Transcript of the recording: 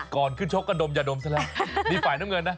ก่อนขึ้นชกก็ดมอย่าดมซะแล้วนี่ฝ่ายน้ำเงินนะ